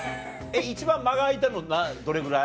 一番間が空いたのどれぐらい？